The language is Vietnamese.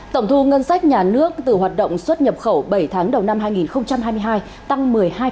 tổng thu ngân sách nhà nước từ hoạt động xuất nhập khẩu bảy tháng đầu năm hai nghìn hai mươi hai tăng một mươi hai